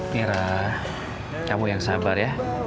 mira kamu yang sabar ya